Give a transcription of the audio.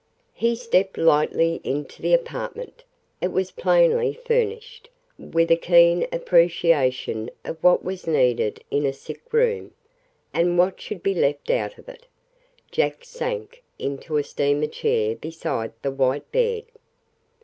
He stepped lightly into the apartment. It was plainly furnished, with a keen appreciation of what was needed in a sick room, and what should be left out of it. Jack sank into a steamer chair beside the white bed.